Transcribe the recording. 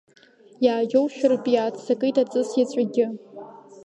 Иааџьоушьаратәа иааццакит аҵыс иаҵәагьы.